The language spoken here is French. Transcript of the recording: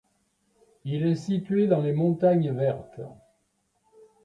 Il est situé dans les montagnes Vertes.